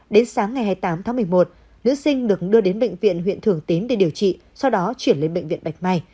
đến sáng ngày hai mươi tám tháng một mươi một nữ sinh được đưa đến bệnh viện huyện thường tín để điều trị sau đó chuyển lên bệnh viện bạch mai